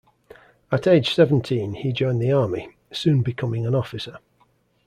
At age seventeen, he joined the army, soon becoming an officer.